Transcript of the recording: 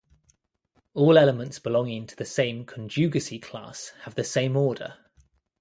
All elements belonging to the same conjugacy class have the same order.